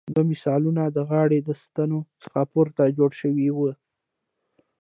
دوه مثلثونه د غاړې د ستنو څخه پورته جوړ شوي وو.